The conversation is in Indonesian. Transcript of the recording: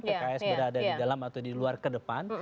pks berada di dalam atau di luar ke depan